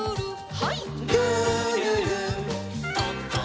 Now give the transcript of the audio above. はい。